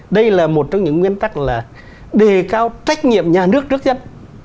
đây là một trong những nguyên tắc là đề cao trách nhiệm nhà nước trước dân